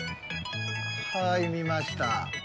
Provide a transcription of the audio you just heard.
はい見ました。